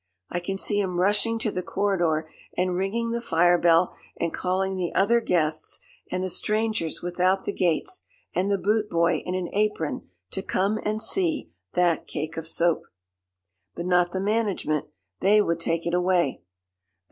I can see him rushing to the corridor and ringing the fire bell and calling the other guests and the strangers without the gates, and the boot boy in an apron, to come and see that cake of soap. But not the management. They would take it away.